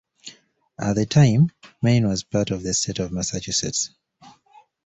At the time, Maine was part of the state of Massachusetts.